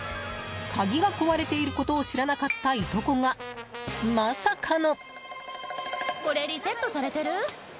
鍵が壊れていることを知らなかった、いとこがまさかの。